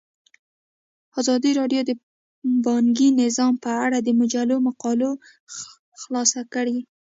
ازادي راډیو د بانکي نظام په اړه د مجلو مقالو خلاصه کړې.